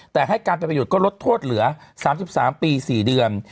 แต่ให้การเป็นประโยชนก็ลดโทษเหลือ๓๓ปี๔เดือน